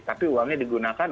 tapi uangnya digunakan